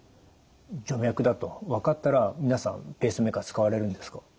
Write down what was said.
徐脈だと分かったら皆さんペースメーカー使われるんですか？